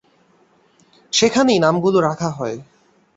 সেখানেই নামগুলো রাখা হয়।